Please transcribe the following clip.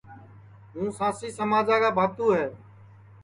ہُوں سانٚسی سماجا کا بھاتُو ہے